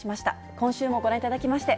今週もご覧いただきまして、